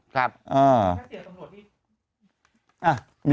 ครับ